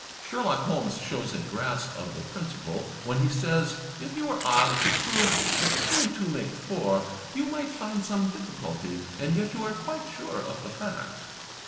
Sherlock Holmes shows a grasp of the principle, when he says, "If you were asked to prove that two and two make four, you might find some difficulty, and yet you are quite sure of the fact."